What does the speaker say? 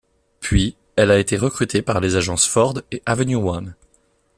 Puis, elle a été recrutée par les agences Ford et Avenue One.